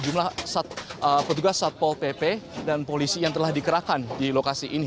jumlah petugas satpol pp dan polisi yang telah dikerahkan di lokasi ini